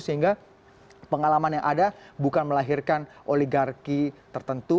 sehingga pengalaman yang ada bukan melahirkan oligarki tertentu